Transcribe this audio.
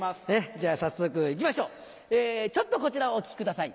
じゃあ早速いきましょうこちらをお聞きください。